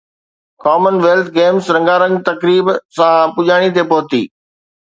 ڪمن wealth games رنگا رنگ تقريب سان پڄاڻي تي پهتي